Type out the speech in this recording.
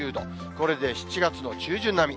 これで７月の中旬並み。